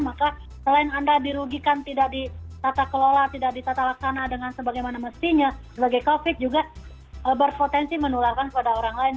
maka selain anda dirugikan tidak ditata kelola tidak ditata laksana dengan sebagaimana mestinya sebagai covid juga berpotensi menularkan kepada orang lain